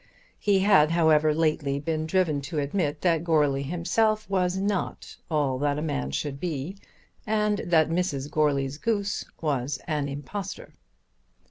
He had, however, lately been driven to admit that Goarly himself was not all that a man should be, and that Mrs. Goarly's goose was an impostor.